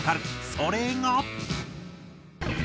それが。